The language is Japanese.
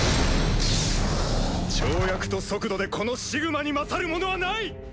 跳躍と速度でこのシグマに勝る者はない！